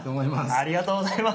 ありがとうございます。